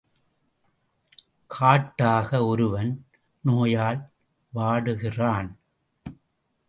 காட்டாக, ஒருவன் நோயால் வாடுகிறான்.